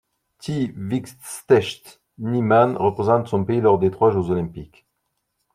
Tea Vikstedt-Nyman représente son pays lors de trois Jeux olympiques.